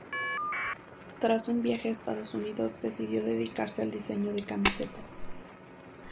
Tras un viaje a Estados Unidos decidió dedicarse al diseño de camisetas.